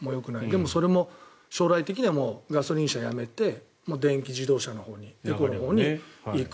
でも、それも将来的にはガソリン車やめて電気自動車のほうにエコに行く。